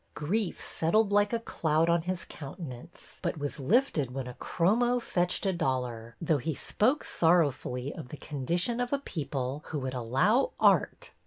Grief settled like a cloud on his countenance, but was lifted when a chromo fetched a dollar, though he spoke sorrowfully of the condition of a people who would allow art.